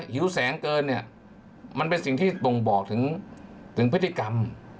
หิวแสงเกินเนี่ยมันเป็นสิ่งที่บ่งบอกถึงพฤติกรรม